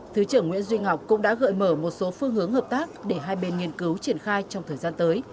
thứ trưởng nguyễn duy ngọc cũng đã gợi mở một số phương hướng hợp tác để hai bên nghiên cứu triển khai trong thời gian tới